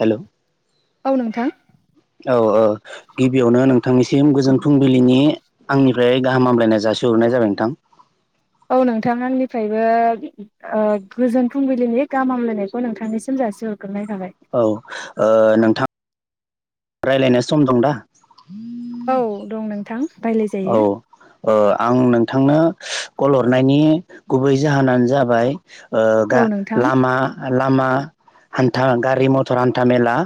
Hello औ नोंथां औ ओ गिबियावनो नोंथांनिसिम गोजोन फुंबिलिनि आंनिफ्राय गाहाम हामलायनाय जासिहरनाय जाबाय नोंथां औ नोंथां आंनिफ्रायबो ओ गोजोन फुंबिलिनि गाहामलायनायखौ नोंथांनिसिम जासिहर औ ओ नोंथां । रायलायनाय सम दं दा? औ दं नोंथां औ रायलायजायो ओ आं नों थांनो कल हरनायनि गुबै जाहोनानो जाबाय- ओ औ गा नोंथां लामा लामा हान्था गारि मथर हान्था मेला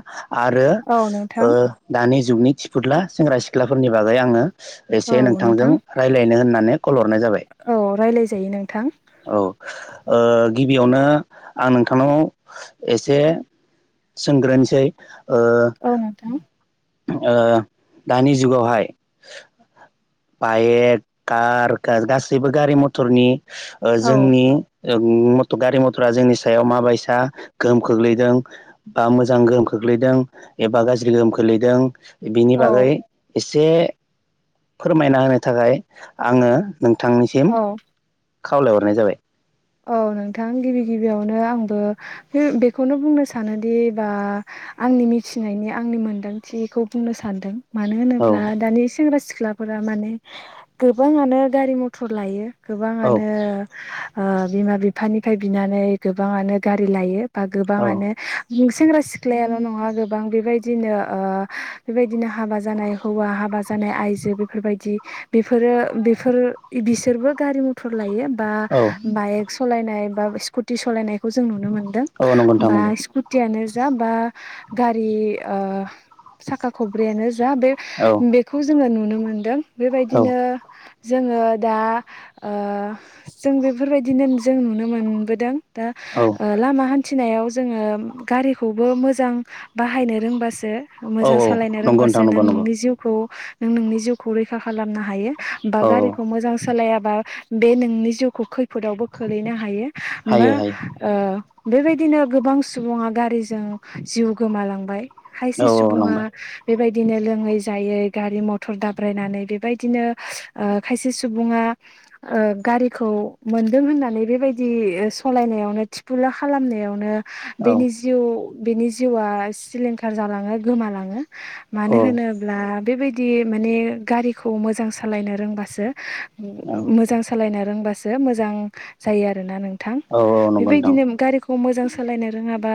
आरो औ ओ नोंथां दानि जुगनि थिफुला सेंग्रा सिख्लाफोरनि बागै आङो औ एसे नोंथांजों नोंथां रायज्लायनो होननानै खल हरनाय जाबाय जायो नोंथां। औ ओ गिबियावनो आं नोंथांनाव एसे सोंग्रोनोसै ओ औ नोंथां ओ दानि जुगावहाय बाइक कार गासैबो गारि मथरनि ओ औ जोंनि ओं गारि मथरा जोंनि सायाव माबायसा गोहोम खोख्लैदों बा मोजां गोहोम खोख खख्लैदों एबा गाज्रि गोहोम खोलैदों बिनि औ बागै एसे फोरमायना होनो थाखाय आङो नोंथांनिसिम औ खावलायहरनाय जाबाय। औ नोंथां गिबि गिबियावनो आंबो बेखौनो बुंनो सानोदि बा आंनि मिथिनायनि आंनि मोनदांथिखौ बुंनो सानदों। मानो औ होनोब्ला दानि सेंग्रा सिख्लाफोरा माने गोबाङानो गारि मथर लायो। औ गोबाङानो ओ बिमा बिफानिफ्राय बिनानै गोबाङानो गारि लायो। बा औ गोबाङानो सेंग्रा सिख्लायाल' नङा गोबां बेबाय दिनो ओ बेबायदिनो हाबा जानाय हौवा हाबा जानाय आयजो बेफोरबायदि बेफोर ओ बेफोर बिसोरबो गारि मथर लायो बा औ बाइक सलायनाय बा स्कुटि सलायनायखौ जों नुनो मोनो दों औ नंगौ नोंथां बा नंगौ स्कुटियानो दा होमबा गारि ओ साखा खब्रैआनो। दा बे औ बेखौ जोङो नुनो मोनदों औ बेबायदिनो। जोङो दा ओ‌ जों बेफोरबायदिनो जों नुनो मोनबोदों। दा औ ओ लामा हान्थि फिनायाव जोङो गारिखौबो मोजां बाहायनो रोंबासो औ मोजां सालायनो नंगौ नोंथां रोंबासो नों नंगौ नंगौ नोंनि जिउखौ नों नोंनि जिउखौ रैखा खालामनो हायो बा औ औ गारिखौ मोजां सालाय बा बे नोंनि जिउखौ खैफोदावबो खोलैनो हायो बा हायो हायो ओ बेबायदिनो गोबां सुबुङा गारिजों जिउ गोमालांबाय। औ खायसे औ सुबुङा नंबाय बेबायदिनो लोङै जायै गारि मथर दाब्रायनानै बेबायदिनो खायसे ओ सुबुङा ओ गारिखौ मोनदों होननानै बेबायदि ओ सालायनायावनो थिफुला खालामनायावनो औ बेनि जिउ बेनि जिउआ सिलिंखार जालाङो गोमालाङो। मानो औ होनोब्ला बेबायदि दि माने गारिखौ मोजां सालायनो रोंबासो औ मोजां सालायनो रोंबासो। मोजां जायो आरो ना नोंथां औ नंगौ नोंथां बेबादिनो गारिखौ मोजां सालायनो रोङा बा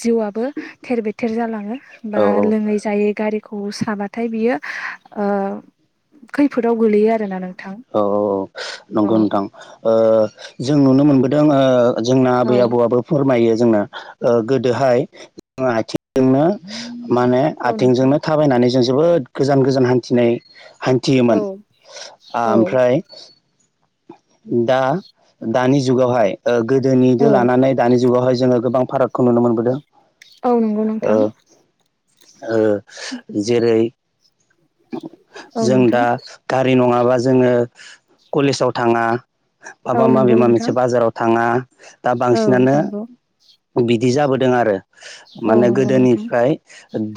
जिउआबो थेर बेथेर जालाङो औ बा औ लोङै जायै गारि खौ साबाथाय बियो ओ‌ खैफोदाव गोलैयो आरोना नों। औ औ औ नंगौ नोंथां ओ जों नुनो मोनबोदों ओ जोंना औ आबै आबौआबो फोरमायो। जोंना ओ गोदोहाय जोङो आथिंजोंनो माने औ नोंथां आथिंजोंनो थाबायनानै जों जोबोद गोजान गोजान हान्थिनाय औ हान्थियोमोन आ औ ओमफ्राय दा दानि जुगावहाय ओ गोदोनिदो औ लानानै दानि जुगावहाय जोङो गोबां फारागखौ नुनो मोनबोदों। औ नंगौ ओ नोंथां। ओ जेरै औ जों नोंथां दा गारि नङाबा जोङो कलेजाव थाङा। औ माबा माबे नंगौ मा मोनसे नोंथां बाजाराव थाङा दा औ बांसिनानो नंगौ बिदि जाबोदों आरो औ माने नंगौ नोंथां गोदोनिफ्राय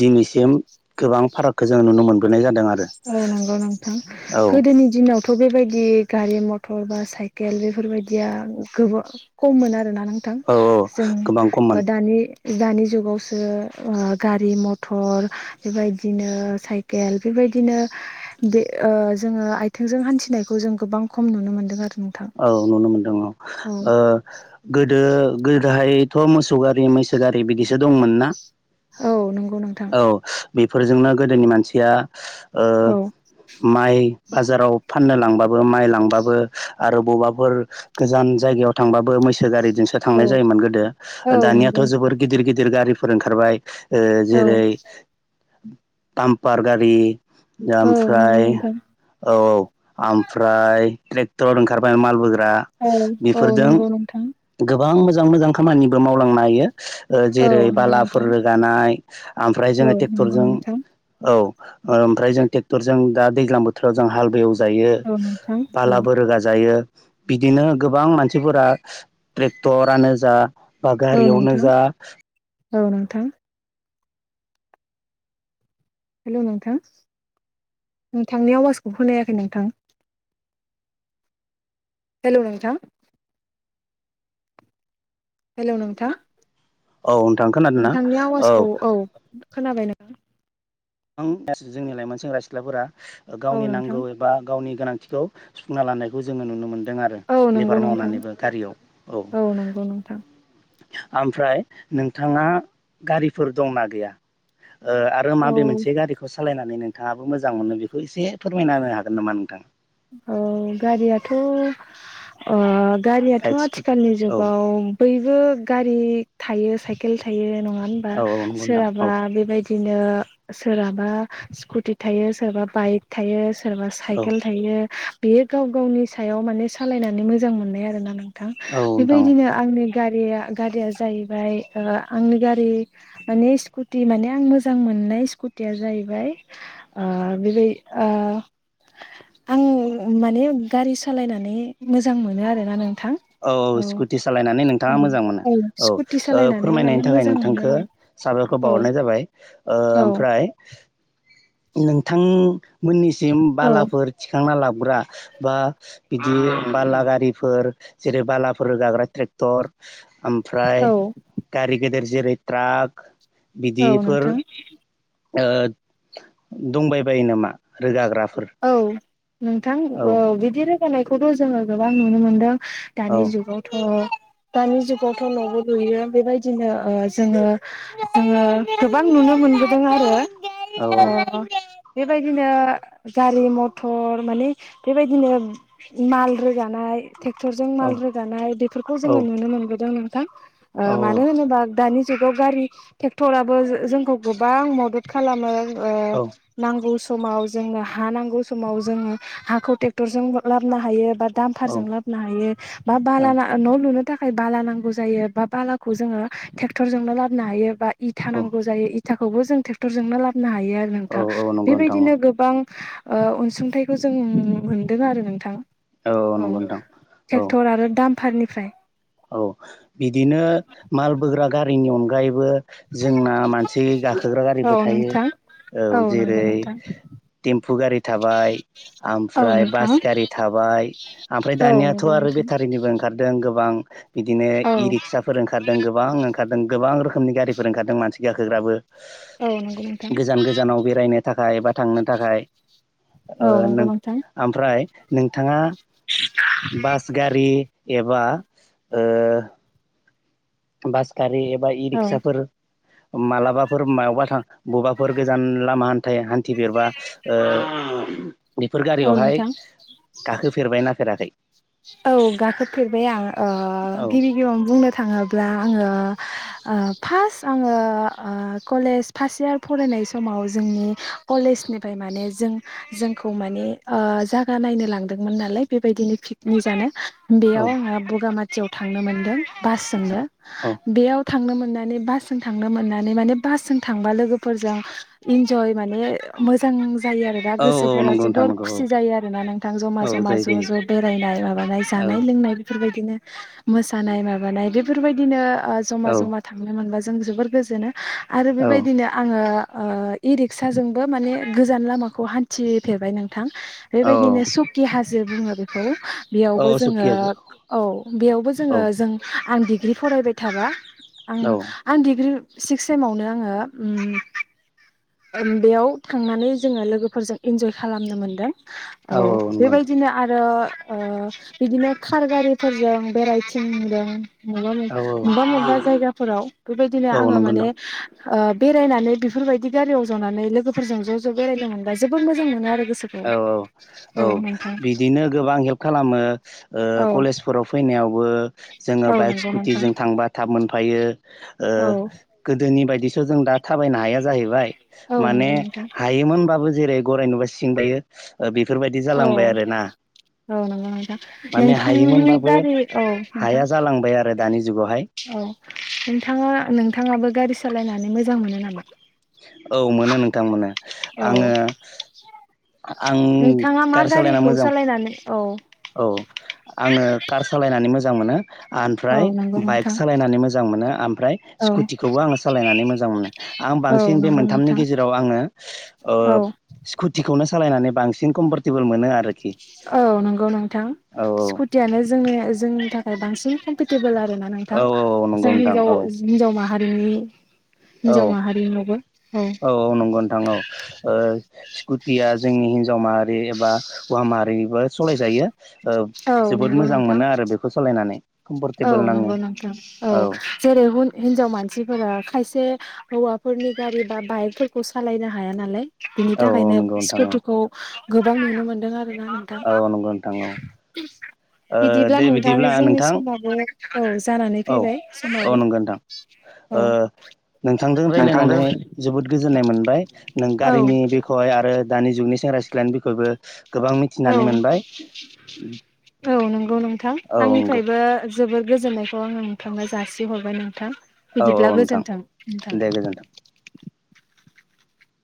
दिनैसिम गोबां फारागखौ जोङो नुनो मोनबोनाय जादों। आरो औ नंगौ नोंथां औ गोदोनि दिनाव थ' बेबायदि गारि मथर बा साइकेल बेफोरबायदिया गोब खम मोन आरोना। नोंथां औ जों गोबां खममोन ओ दानि दानि जुगावसो ओ गारि मथर बेबायदिनो साइकेल बेबायदि बिदिनो बे ओ जोङो आथिंजों हान्थिनायखौ जों गोबां खम नुनो मोनदों आरो। नोंथां औ नुनो मोनदों औ ओ गोदो गो गाहायैथ' मोसौ गारि मैसो गारि बिदिसो दंमोन ना? औ नंगौ नोंथां। औ बेफोरजोंनो गोदोनि मानसिया ओ‌ औ माइ बाजाराव फाननो लांबाबो माइ लांबाबो आरो बबावबाफोर गोजान जायगायाव थांबाबो मैस गारिजोंसो थांनाय औ जायोमोन गोदो ओ औ दानियाथ' नंगौ जोबोर गिदिर गिदिर गारिफोर ओंखारबाय। ओ औ जेरै बामपार गारि। दा औ नंगौ आमफ्राय नोंथां औ औ आमफ्राय टट ओंखारबाय माल बोग्रा औ औ बेफोरजों नंगौ नोंथां गो गोबां मोजां मोजां खामानिबो मावलांनो हायो। ओ औ जेरै नंगौ बालाफोर नोंथां रोगानाय ओमफ्राय औ जोङो नंगौ ट्रेक्टरजों नोंथां औ ओमफ्राय जों ट्रेक्टरजों दा दैज्लां बोथोराव जों हालबो एव जायो। औ नोंथां औ बालाब गाजायो। बिदिनो गोबां मानसिफोरा ट्रेक्टरानो जा बा औ गारियावनो नोंथां जा औ नोंथां। हेलौ नोंथां नोंथांनि आवाजखौ खोनायाखै नोंथां? हेलौ नोंथा। हेलौ नोंथा। औ नोंथां खोनादोंना नोंथांनि आवाजखौ औ खोनाबाय ना? आं गासै जोंनि लाइमोन सेंग्रा सिख्लाफोरा औ गावनि नोंथां नांगौ एबा गावनि गोनांथिखौ सुफुंना लानायखौ जोङो नुनो मोन दों आरो औ लेबार नंगौ नोंथां मावनानैबो गारियाव औ। नंगौ नोंथां ओमफ्राय नोंथाङा गारिफोर दंना गैया? ओ आरो औ माबे मोनसे गारिखौ सालायनानै नोंथाङाबो मोजां मोनो बेखौ एसे फोरमायना होनो हागोन नामा नोंथां? थ' ओ गारियाथ' बाइक स्कुटि आथिखालनि औ जुगाव बयबो गारि थायो साइकेल थायो नङा होनबा औ औ नंगौ नोंथां औ सोरहाबा बेबायदि बनो सोरहाबा स्कुटि थायो सोराबा बाइक थायो सोरबा औ साइकेल यो बेयो गाव गावनि सायाव माने सालायनानै मोजां मोननाय आरोना नों थां। औ नोंथां औ बेबायदिनो आंनि गारिया गारिया जाहैबाय ओ‌ आंनि गारि मानि स्कुटि माने आं मोजां मो ननाय स्कुटिया जाहैबाय ओ बेबाय ओ [inaudible] आं माने गारि सालायनानै मोजां मोनो आरोना नों औ औ स्कुटि सालायनानै नोंथाङा मोजां मोनो। औ स्कुटि औ सालायनानै माने फोरमायनायनि थाखाय मोजां मोनो नोंथांखो साबायखर औ बावहरनाय जाबाय। ओ औ ओमफ्राय नोंथांमोननिसिम औ बालाफोर थिखांना ला बोग्रा बा बिदि बाला गारिफोर जेरै बालाफोर रोगाग्रा ट्रेक्टर ओमफ्राय औ गारि गेदेर जेरै ट्राक औ बिदिफोर नोंथां ओ दंबाय बायो नामा रोगाग्राफोर? औ नोंथां औ अ बिदि रोगानायखौथ' जोङो गोबां नुनो मोनदों औ दानि जुगावथ' दानि जुगावथ' न'बो लुयो बेबायदिनो ओ जोङो जोङो गोबां नु नो मोनबोदों औ आरो बेबायदिनो गारि मटर माने बेबायदिनो माल रोगानाय ट्रेक्टरजों औ माल रोगानाय बेफोरखौ औ जोङो नुनो मोनबोदों नोंथां। औ ओ मानो होनोबा दानि जुगाव गारि टेक्टराबो जो-जोंखौ गोबां मदद खालामो। ओ औ नांगौ समाव जोंनो हा नांगौ समाव जोङो हाखौ ट्रेक्टरजों लाबनो हायो बा दामफारजों लाबोनो हायो। बा औ बाला न' लुनो थाखाय बाला नांगौ जायो बा बालाखौ जोङो टेक्टरजोंनो लाबोनो हायो बा इथा औ नांगौ जायो इथाखौबो जों ट्रेक्टरजोंनो लाबोनो हायो आरो औ नोंथां। औ नंगौ नोंथां औ बेबायदिनो गोबां ओ अनसुंथाइखौ जों मोनदों आरो नोंथां। औ नंगौ नोंथां औ टेक्टर आरो दामफारनिफ्राय। औ बिदिनो माल बोग्रा गारिनि अनगायैबो जोंना मानसि गाखोग्रा औ गारिबो थायो। नोंथां औ नंगौ जेरै नोंथां टेम्फु गारि थाबाय औ ओमफ्राय नंगौ बास नोंथां गारि थाबाय ओमफ्राय औ दानियाथ' नंगौ आरो नोंथां बेटारिनिबो ओंखारदों गोबां बिदिनो औ इ रिक्साफोर ओंखारदों गोबां ओंखारदों गोबां रोखोमनि गारिफोर ओंखारदों मानसि गाखोग्राबो। नंगौ गोजान गोजानाव बेरायनो थाखाय बा थांनो थाखाय। ओ नों नोंथां ओमफ्राय नोंथाङा बास गारि एबा ओ बास गारि एबा इ औ औ रिक्साफोर मालाबाफोर मायावबा था बबेबाफोर गोजान लामा हान्थाय हान थिफेरबा ओ बेफोर गारियावहाय नोंथां गाखोफेरबाय नाफेराखै? औ गाखोफेरबाय आं ओ औ गिबि गिबियावनो बुंनो थाङोब्ला आङो ओ फास आङो ओ कलेज फास इयार फरायनाय समाव जों नि कलेजनिफाय माने जों जोंखौ माने ओ जागा नायनो लांदोंमोन नालाय बेबायदिनो फिख मुजानो बेयाव औ आङो बगामाथियाव थांनो मोनदों बासजोंनो औ बेयाव थांनो मोननानै बासजों थांनो मोननानै माने बासजों थांबा लोगोफोरजों इन्जय माने मोजां जायो आरो दा औ औ गोसोफोरा नंगौ नोंथां जोबोर नंगौ खुसि जायो आरोना नोंथां ज'मा औ औ ज'मा जायो ज' ज' [unintelligible] नाय माबानाय जानाय जायो लोंनाय बेफोरबायदिनो मोसानाय माबानाय बेफोरबायदिनो औ जमा जमा थांनो मोनब्लाा जों जोबोर गोजोनो। आरो औ बेबायदिनो आङो ओ इ रिक्साजोंबो माने गोजान लामाखौ हान्थिफेरबाय नों थां औ बेबायदिनो शकि हाजो बुङो बेखौ बेयावबो औ जोङो सुखिया औ बेयावबो जोङो औ जों आं डिग्रि फरायबाय थाबा आं औ आं डिग्रि सिक्स सेमावनो आङो उम उह बेयाव थांनानै जोङो लोगोफोरजों इन्जय खालामनो मोनदों। औ बेबायदिनो आरो ओ बिदिनो कार गारिफोरजों बेरायथिंदों मबेबाबा औ मबेबा मबेबा औ जायगाफोराव बेबायदिनो औ आङो नंगौ माने नोंथां ओ बेरायनानै बेफोरबायदि गारियाव जावनानै लोगोफोरजों ज' ज' बेरायदों मोनबा जोबोद मोजां मोनो आरो गोसोखौ औ औ औ बिदिनो गोबां हेल्प खालामो ओ औ कलेजफोराव फैनो नायावबो औ जोङो बाइक नंगौ नोंथां स्कुटिजों थांबा थाब मोनफायो ओ औ गोदोनि बायदिसो जों दा थाबायनो हाया जाहैबाय औ माने नंगौ नोंथां हायोमोनबाबो जेरै गराय नुबा सिं बायो ओ बेफोरबायदि औ जालांबाय आरो ना। औ नंगौ नोंथां [inaudible] माने नोंथांनि हायोमोनबाबो गारि औ नोंथां हाया जालांबाय आरो दानि ज जुगावहाय। औ नोंथाङा नोंथाङाबो गारि सालायनानै मोजां मोनो नामा? औ मोनो नोंथां मोनो आङो आं नोंथाङा मा गार सालायना गारिखौ मोजां सालायनानै औ औ आङो कार सालायनानै मोजां मोनो। औ आनफ्राय नंगौ बाइक नोंथां सालायनानै मोजां मोनो आमफ्राय स्कुटिखौबो आङो सालायनानै मोजां मोनो। आं औ बांसिन बे नंगौ मोनथामनि नोंथां गेजेराव आङो ओ स्कुटिखौनो सा सालायनानै बांसिन कम्फरटेबोल मोनो आरोखि। औ नंगौ नोंथां औ स्कुटियानो जोंनि जोंनि थाखाय बांसिन कमफिटेबोल आरो गोना औ नोंथां औ औ नंगौ जों नोंथां हिजाव औ हिनजाव माहारिनि औ हिनजाव माहारिनियावबो औ औ नंगौ नोंथां औ ओ स्कुटिया जोंनि हिनजाव माहारि एबा हौवा माहारिबो सलायजायो। ओ औ जोबोद नंगौ मोजां नोंथां मोनो आरो बेखौ सालायनानै। औ कमफरटेबोल नाङो नोंगौ नोंथौ औ जेरै हुन हिनजाव मानसिफोरा खायसे बे हौवाफोरनि गारि बा बाइकफोरखौ सालायनो हाया नालाय बिनि औ औ थाखायनो नंगौ नोंथां औ स्कुटिखौ गोबां नुनो मोनदों औ नंगौ नोंथां औ आ [unintelligible] ओ बिदिब्ला दे नोंथां जोंनि नोंथां सि समावबो औ जानानै औ फैबाय समावो नंगौ नोंथां ओ नोंथांजों रायलायनानै जोबोद गोजोननाय मोनबाय नों औ गारिनि बेखौहाय आरो दानि जुगनि सेंग्रा सिख्लानि बिखयबो गोबां औ मिथिनानै मोनबाय [inaudible] औ नंगौ नोंथां औ नंगौ आंनिफ्रायबो जोबोर गोजोननायखौ आङो नोंथांनो जासिहरबाय नोंथां। औ औ बिदिब्ला नोंथां गोजोनथों नोंथां। दे गोजोन्थों